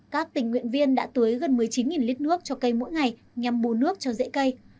các tình nguyện viên đã tưới gần một mươi chín lít nước cho cây mỗi ngày nhằm bù nước cho dễ cây